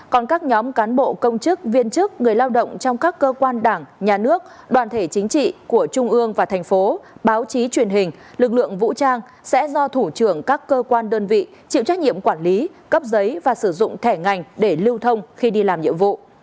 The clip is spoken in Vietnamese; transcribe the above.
còn các nhóm cán bộ công chức viên chức người lao động trong các cơ quan đảng nhà nước đoàn thể chính trị của trung ương và thành phố báo chí truyền hình lực lượng vũ trang sẽ do thủ trưởng các cơ quan đơn vị chịu trách nhiệm quản lý cấp giấy và sử dụng thẻ ngành để lưu thông khi đi làm nhiệm vụ